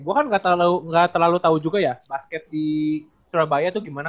gue kan nggak terlalu tahu juga ya basket di surabaya itu gimana